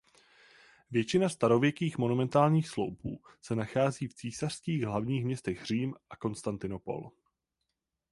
Většina starověkých monumentálních sloupů.se nachází v císařských hlavních městech Řím a Konstantinopol.